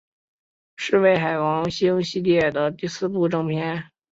是为海王星系列的第四部正篇。